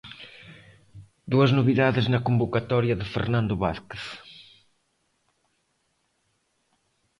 Dúas novidades na convocatoria de Fernando Vázquez.